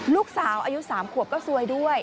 ลูกสาวอายุ๓ขวบก็ซวยด้วย